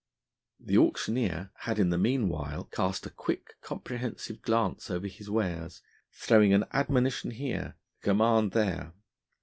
The auctioneer had in the meanwhile cast a quick comprehensive glance over his wares, throwing an admonition here, a command there.